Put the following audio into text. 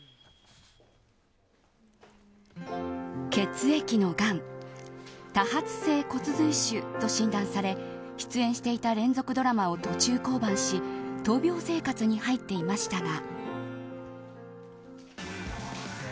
血液のがん多発性骨髄腫と診断され出演していた連続ドラマを途中降板し闘病生活に入っていましたが。